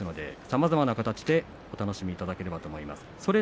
さまざまな形でお楽しみいただければと思います。